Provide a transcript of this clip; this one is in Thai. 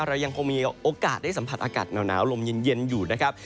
เรายังคงมีโอกาสได้สัมผัสอากาศหนาวลมเย็นอยู่นะครับ